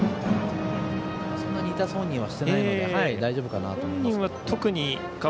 そんなに痛そうにはしていないので大丈夫かなと思いますが。